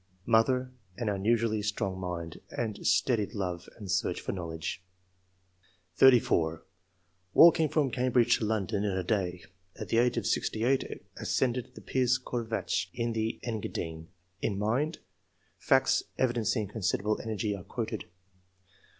Mother — An unusually strong mind, and steady love and search for knowledge.'* 34. " Walked from Cambridge to London in a day. At the age of sixty eight ascended the Piz Corvatsch, in the Engadine. In mind. [Facts evidencing considerable energy are quoted.